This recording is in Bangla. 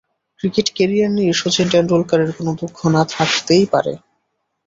ক্রিকেট ক্যারিয়ার নিয়ে শচীন টেন্ডুলকারের কোনো দুঃখ না থাকতেই পারে।